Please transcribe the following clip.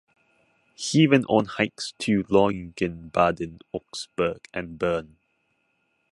He went on hikes to Lauingen, Baden, Augsburg and Bern.